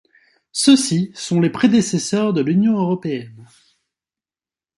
Ceux-ci sont les prédécesseurs de l'Union européenne.